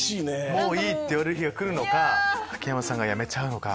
もういい！っていう日がくるのか秋山さんがやめちゃうのか。